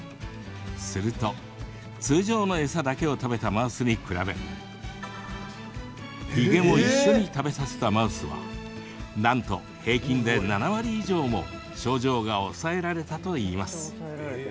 すると、通常の餌だけを食べたマウスに比べヒゲも一緒に食べさせたマウスはなんと平均で７割以上も症状が抑えられたといいます。